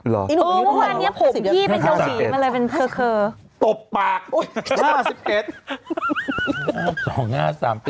อ๋อเมื่อวานนี้ผมพี่เป็นเกาหลีเป็นอะไรเป็นเคอร์เคอร์